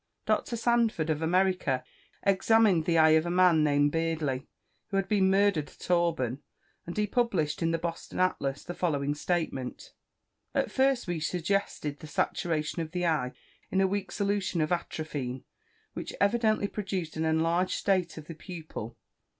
Dr. Sandford, of America, examined the eye of a man named Beardley, who had been murdered at Auburn, and he published in the Boston Atlas the following statement: "At first we suggested the saturation of the eye in a weak solution of atrophine, which evidently produced an enlarged state of the pupil.